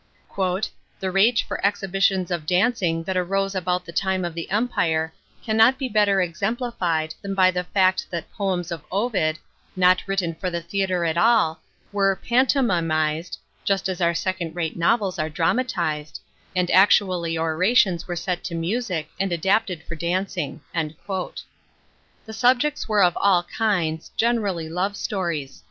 §" The rage for exhibitions of dancing that arose about the time of the empire cannot be better exemplified than by the fact that poems of Ovid, not written lor the theatre at all, were ' pantomimised ' (just as our second rate novels are dramatised), and actually orations were set to music, and adapted tor dancing." || The subjects were of all kinds, generally love stories.